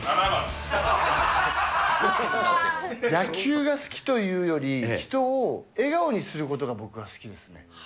野球が好きというより、人を笑顔にすることが僕は好きですね。